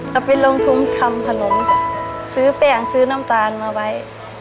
จะไปลงทุ่มทำผนมซื้อเปลี่ยงซื้อน้ำตาลมาไว้